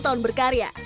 dua puluh tahun berkala